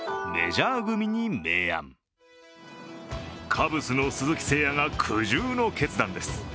カブスの鈴木誠也が苦渋の決断です。